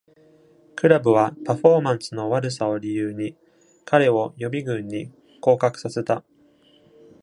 クラブはパフォーマンスの悪さを理由に、彼を予備軍に降格させた。